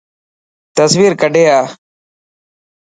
تصوير ڪڌي آءِ.